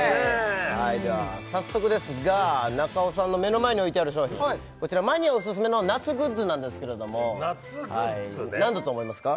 では早速ですが中尾さんの目の前に置いてある商品こちらマニアオススメの夏グッズなんですけれども夏グッズね何だと思いますか？